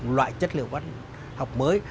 loại chất liệu văn học mới